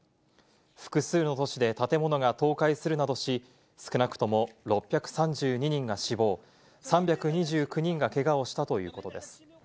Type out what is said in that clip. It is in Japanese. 複数の都市で建物が倒壊するなどし、少なくとも６３２人が死亡、３２９人がけがをしたということです。